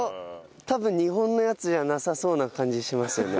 多分日本のやつじゃなさそうな感じしますよね。